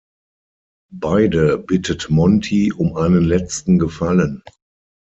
Beide bittet Monty um einen letzten Gefallen.